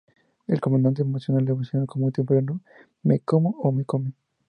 El componente emocional evolucionó muy temprano: ¿Me como, o me come?